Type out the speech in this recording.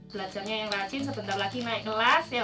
belajarnya yang rajin sebentar lagi naik kelas ya